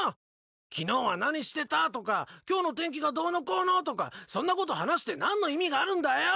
昨日は何してたとか今日の天気がどうのこうのとかそんなこと話して何の意味があるんだよ。